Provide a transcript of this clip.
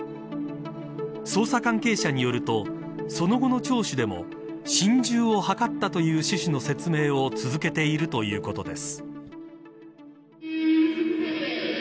捜査関係者によるとその後の聴取でも心中を図ったという趣旨の説明を続けているということです。